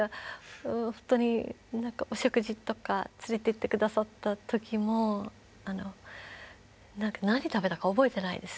お食事とか連れて行って下さった時も何食べたか覚えてないです。